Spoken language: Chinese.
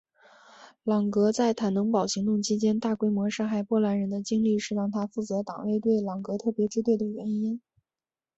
朗格在坦能堡行动期间大规模杀害波兰人的经历是让他负责党卫队朗格特别支队的原因。